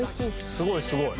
すごいすごい。